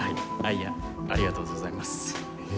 ありがとうございます。